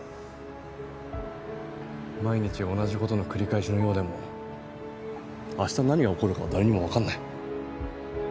毎日が同じ事の繰り返しのようでも明日何が起こるかは誰にもわかんない。